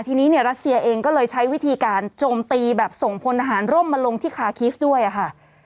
ทีนี้เนี่ยรัสเซียเองก็เลยใช้วิธีการโจมตีแบบส่งพลทหารร่มมาลงที่คาคีฟด้วยค่ะ